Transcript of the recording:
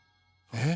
えっ？